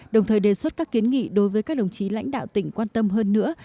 đồng thời đề xuất các kiến nghị đối với các đồng chí lãnh đạo tỉnh quan tâm hơn nữa